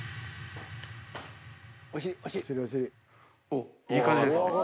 おっいい感じですね。